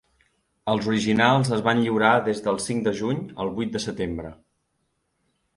Els originals es van lliurar des del cinc de juny al vuit de setembre.